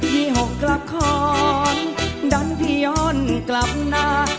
พี่หกละครดันพี่ย้อนกลับหน้า